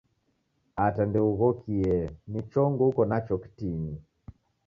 Ata ndeughokie ni chongo uko nacho kitini